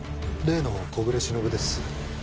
例の小暮しのぶです。